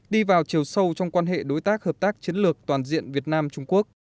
đi vào chiều sâu trong quan hệ đối tác hợp tác chiến lược toàn diện việt nam trung quốc